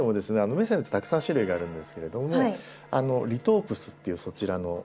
メセンってたくさん種類があるんですけれどもリトープスっていうそちらの。